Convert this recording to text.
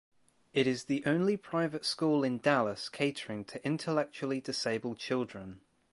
It is the only private school in Dallas catering to intellectually disabled children.